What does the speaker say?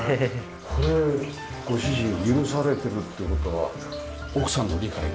これご主人許されてるって事は奥さんの理解が？